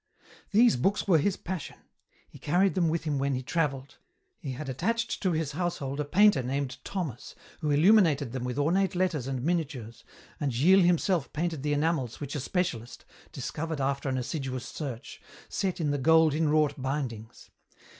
"These books were his passion. He carried them with him when he travelled. He had attached to his household a painter named Thomas who illuminated them with ornate letters and miniatures, and Gilles himself painted the enamels which a specialist discovered after an assiduous search set in the gold inwrought bindings.